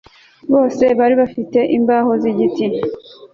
bose bari bafite imbaho z'igiti